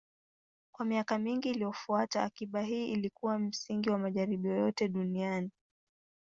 Kwa miaka mingi iliyofuata, akiba hii ilikuwa msingi wa majaribio yote duniani.